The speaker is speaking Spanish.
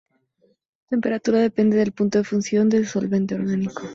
La temperatura depende del punto de fusión del solvente orgánico.